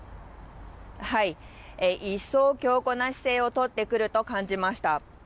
一層強硬な姿勢を取ってくると感じました。